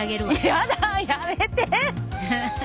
やだやめて！